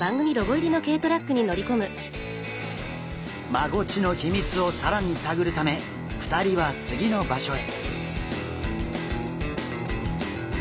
マゴチの秘密を更に探るため２人は次の場所へ。